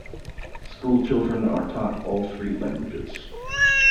School children are taught all three languages.